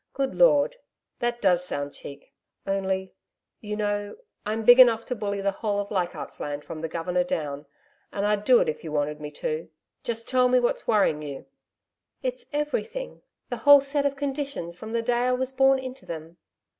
Good Lord! That does sound cheek! Only you know I'm big enough to bully the whole of Leichardt's Land from the Governor down and I'd do it if you wanted me to. Just tell me what's worrying you?' 'It's everything the whole set of conditions from the day I was born into them.'